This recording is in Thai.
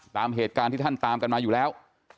ตามเหตุการณ์ที่ท่านตามกันมาอยู่แล้ว